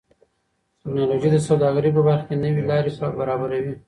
ټکنالوژي د سوداګرۍ په برخه کې نوې لارې برابروي.